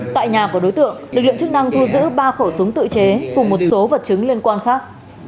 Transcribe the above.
tại nhà của đối tượng lực lượng chức năng thu giữ ba khẩu súng tự chế cùng một số vật chứng liên quan khác